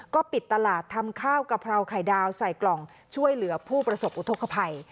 ก็ปิดตลาดทำข้าวกะเพราไข่ดาวใส่กล่องช่วยเหลือผู้ประสบอุทธกภัย